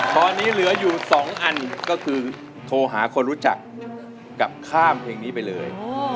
ตอนนี้เหลืออยู่๒อันก็คือโทรหาคนรู้จักกับข้ามเพลงนี้ไปเลย